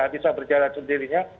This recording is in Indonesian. tidak bisa berjalan sendirinya